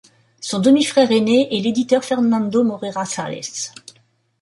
Son demi-frère aîné est l'éditeur Fernando Moreira Salles.